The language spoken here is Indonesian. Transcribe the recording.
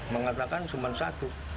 mengatakan cuma satu